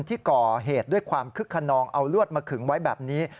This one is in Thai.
ที่ก่อเหตุด้วยความคึกขนองเอาลวดมาขึงไว้แบบนี้